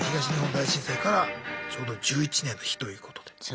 東日本大震災からちょうど１１年の日ということで。